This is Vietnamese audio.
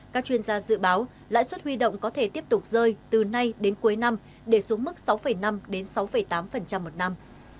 các chuyên gia dự báo lãi suất huy động có thể tiếp tục rơi từ nay đến cuối năm để xuống mức sáu năm đến sáu tám một năm